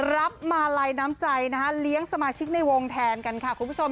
รับมาลัยน้ำใจนะคะเลี้ยงสมาชิกในวงแทนกันค่ะคุณผู้ชม